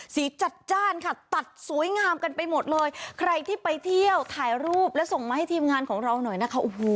สีจัดจ้านค่ะตัดสวยงามกันไปหมดเลยใครที่ไปเที่ยวถ่ายรูปและส่งมาให้ทีมงานของเราหน่อยนะคะโอ้โห